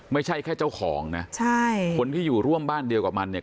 ไม่ใช่แค่เจ้าของนะใช่คนที่อยู่ร่วมบ้านเดียวกับมันเนี่ย